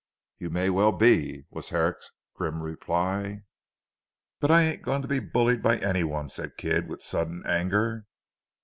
"You may well be," was Herrick's grim reply. "But I ain't going to be bullied by anyone," said Kidd with sudden anger.